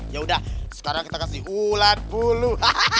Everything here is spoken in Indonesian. yaudah sekarang kita kasih ulat buluh